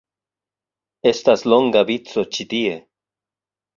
Estas longa vico ĉi tie